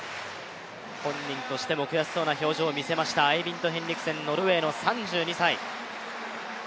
本人としても悔しそうな表情を見せました、ヘンリクセン、ノルウェーの３２歳。